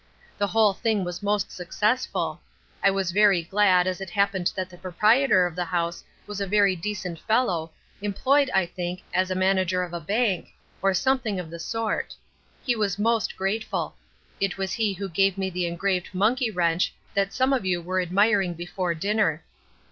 The whole thing was most successful. I was very glad, as it happened that the proprietor of the house was a very decent fellow, employed, I think, as a manager of a bank, or something of the sort. He was most grateful. It was he who gave me the engraved monkey wrench that some of you were admiring before dinner.